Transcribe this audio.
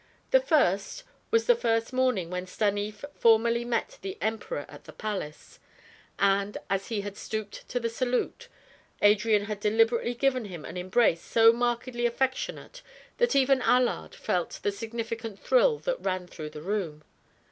The first was the first morning when Stanief formally met the Emperor at the palace; and, as he had stooped to the salute, Adrian had deliberately given him an embrace so markedly affectionate that even Allard felt the significant thrill that ran through the room.